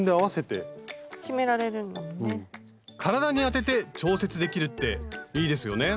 体に当てて調節できるっていいですよね